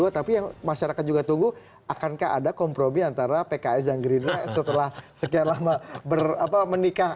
tapi yang masyarakat juga tunggu akankah ada kompromi antara pks dan gerindra setelah sekian lama menikah